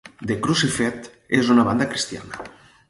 The Crucified és una banda cristiana.